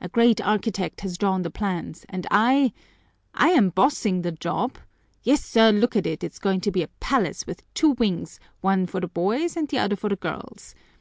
A great architect has drawn the plans, and I I am bossing the job! Yes, sir, look at it, it's going to be a palace with two wings, one for the boys and the other for the girls.